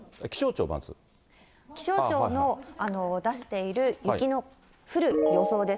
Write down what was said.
気象庁の出している雪の降る予想です。